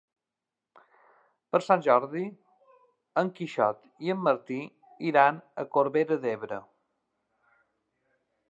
Per Sant Jordi en Quixot i en Martí iran a Corbera d'Ebre.